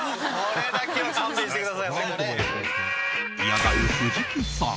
嫌がる藤木さん。